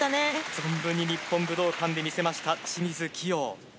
存分に日本武道館で見せました清水希容。